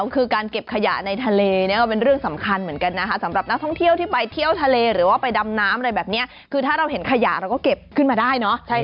คือการเก็บขยะในทะเลเนี่ยก็เป็นเรื่องสำคัญเหมือนกันนะคะสำหรับนักท่องเที่ยวที่ไปเที่ยวทะเลหรือว่าไปดำน้ำอะไรแบบนี้คือถ้าเราเห็นขยะเราก็เก็บขึ้นมาได้เนอะ